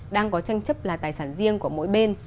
đang có tranh chấp là tài sản riêng của mỗi bên